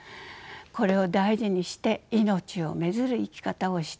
これを大事にして「いのちを愛づる」生き方をしていきます。